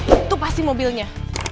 itu pasti mobilnya